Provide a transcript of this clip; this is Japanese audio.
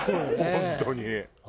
本当に。